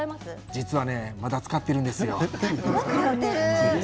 実はまだ使っているんですよ。